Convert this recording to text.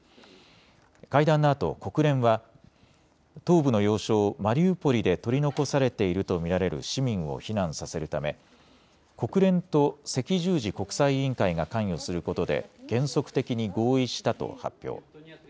会談のあと国連は東部の要衝マリウポリで取り残されていると見られる市民を避難させるため国連と赤十字国際委員会が関与することで原則的に合意したと発表。